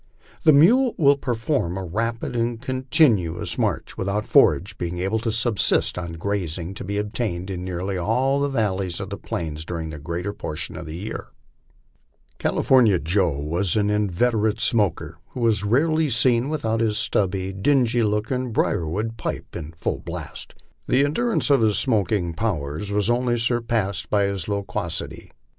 The mule will perform a rapid and continuous march without forage, being able to subsist on the grazing to be obtained in nearly all the valleys on the plains during the greater portion of the year. Cali fornia Joe was an inveterate smoker, and was rarely seen without his stubby, dingy looking brierwood pipe in full blast. The endurance of his smoking powers was only surpassed by his loquacity.